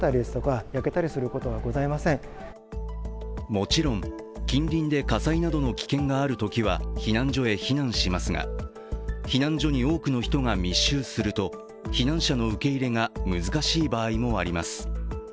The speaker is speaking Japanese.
もちろん、近隣で火災などの危険があるときは避難所へ避難しますが、避難所に多くの人が密集すると避難者の受け入れが難しい場合もあります。